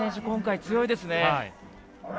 今回、強いですね。